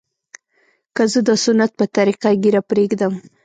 که زه د سنت په طريقه ږيره پرېږدم.